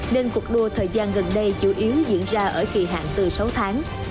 nên cuộc đua thời gian gần đây chủ yếu diễn ra ở kỳ hạn từ sáu tháng